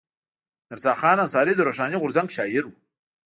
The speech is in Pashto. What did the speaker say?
میرزا خان انصاري د روښاني غورځنګ شاعر و.